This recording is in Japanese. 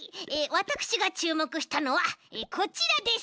わたくしがちゅうもくしたのはこちらです。